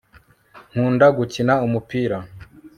nkunda gukina umupira